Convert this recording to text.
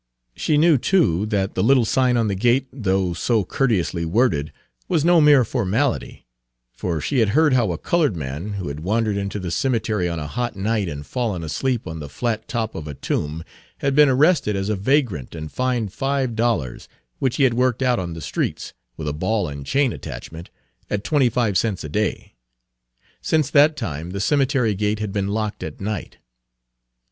She knew, too, that the little sign on the gate, though so courteously worded, was no mere formality; for she had heard how a colored man, who had wandered into the cemetery on a hot night and fallen asleep on the flat top of a tomb, had been arrested as a vagrant and fined five dollars, which he had worked out on the streets, with a ball and chain attachment, at twenty five cents a day. Since that time the cemetery gate had been locked at night.